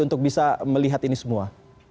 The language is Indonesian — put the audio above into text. untuk bisa melihat ini semua